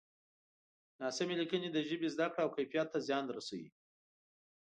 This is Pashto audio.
ناسمې لیکنې د ژبې زده کړه او کیفیت ته زیان رسوي.